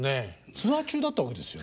ツアー中だったんですよ。